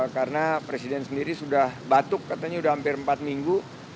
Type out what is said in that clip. karena presiden sendiri sudah batuk katanya sudah hampir empat minggu